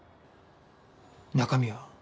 中身は？